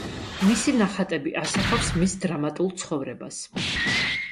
მისი ნახატები ასახავს მის დრამატულ ცხოვრებას.